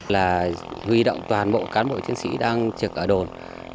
là huy động toàn bộ cán bộ chiến sĩ đang trực ở đồn